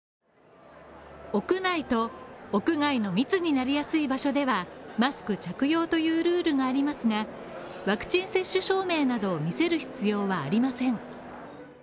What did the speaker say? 屋内と屋外の密になりやすい場所ではマスク着用というルールがありますが、ワクチン接種証明などを見せる必要はありません。